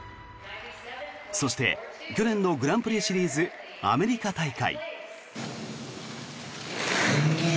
そして去年のグランプリシリーズアメリカ大会。